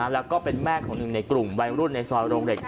แล้วก็เป็นแม่ของหนึ่งในกลุ่มวัยรุ่นในซอยโรงเหล็ก